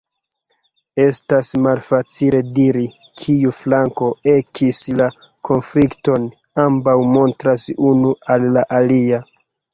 Estas malfacile diri, kiu flanko ekis la konflikton: ambaŭ montras unu al la alia.